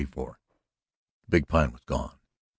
XXXIV The big Pine was gone.